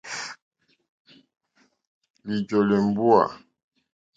Lìjɔ́lɛ̀ mbúà.